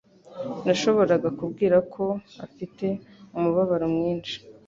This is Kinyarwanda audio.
Nashoboraga kubwira ko afite umubabaro mwinshi.